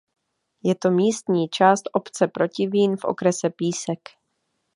Je to místní část obce Protivín v okrese Písek.